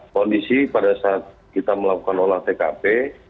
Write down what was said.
kondisi pada saat kita melakukan olah tkp